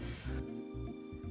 saat ini seperti itu